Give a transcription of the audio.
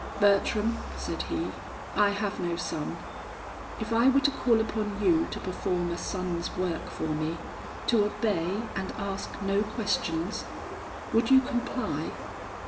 "Bertram," said he, "I have no son. If I were to call upon you to perform a son's work for me; to obey and ask no questions, would you comply?"